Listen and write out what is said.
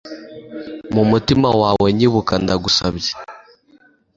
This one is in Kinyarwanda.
mu mutima wawe, nyibuka ndagusabye